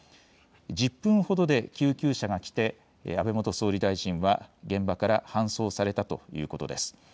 １０分ほどで救急車が来て安倍元総理大臣は現場から搬送されたということです。